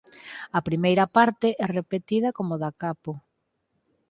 A primeira parte é repetida como "da capo".